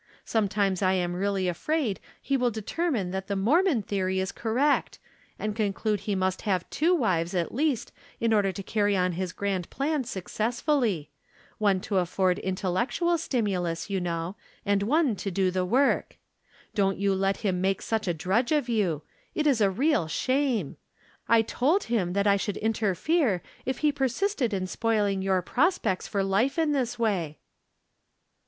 Sometimes I am really afraid that he will deter 176 I'rom Different Standpoints. mine that ttie Mormon theory is correct, and con clude that he must have two wives at least in order to carry on liis grand plans successfully — one to afford intellectual stimulus, you know, and one to do the work. Don't "you let him make such a drudge of you. It is a real shame ! I told him that I should interfere if he persisted in spoiling your prospects for life in this way."